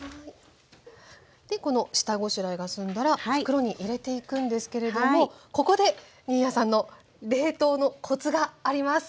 でこの下ごしらえが済んだら袋に入れていくんですけれどもここで新谷さんの冷凍のコツがあります。